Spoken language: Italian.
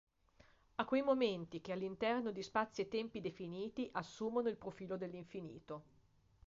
A quei momenti che all’interno di spazi e tempi definiti assumono il profilo dell’infinito.